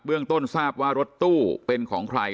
เรื่องต้นทราบว่ารถตู้เป็นของใคร